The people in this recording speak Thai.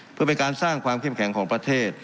เพื่อเป็นการสร้างความเข้มแข็งของประเทศ